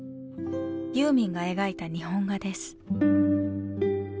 ユーミンが描いた日本画です。